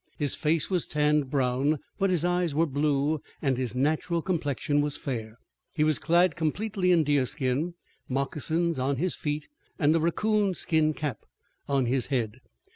His face was tanned brown, but his eyes were blue and his natural complexion was fair. He was clad completely in deerskin, mocassins on his feet and a raccoon skin cap on his head.